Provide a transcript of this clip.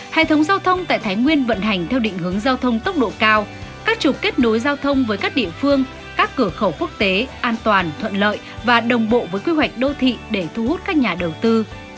hệ thống giao thông tại thái nguyên vận hành theo định hướng giao thông tốc độ cao các trục kết nối giao thông với các địa phương các cửa khẩu quốc tế an toàn thuận lợi và đồng bộ với quy hoạch đô thị để thu hút các nhà đầu tư